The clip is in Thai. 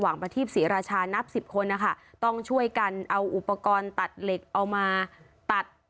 ประทีปศรีราชานับสิบคนนะคะต้องช่วยกันเอาอุปกรณ์ตัดเหล็กเอามาตัด